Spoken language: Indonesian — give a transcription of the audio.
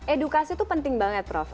edukasi itu penting banget prof